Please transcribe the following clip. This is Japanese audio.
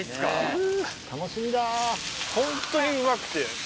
ホントにうまくて。